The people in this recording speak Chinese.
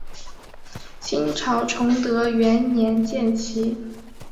清朝崇德元年建旗。